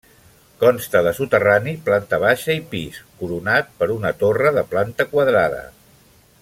Consta de soterrani, planta baixa i pis, coronat per una torre de planta quadrada.